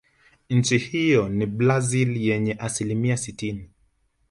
Nchi hiyo ni Blazil yenye asilimia sitini